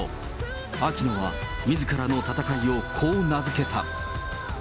秋野はみずからの闘いをこう名付けた。